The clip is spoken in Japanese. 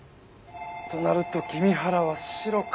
となると君原はシロか。